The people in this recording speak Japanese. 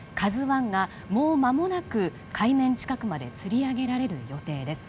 「ＫＡＺＵ１」がもう間もなく海面近くまでつり上げられる予定です。